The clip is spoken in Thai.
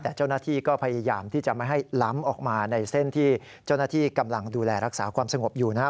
แต่เจ้าหน้าที่ก็พยายามที่จะไม่ให้ล้ำออกมาในเส้นที่เจ้าหน้าที่กำลังดูแลรักษาความสงบอยู่นะครับ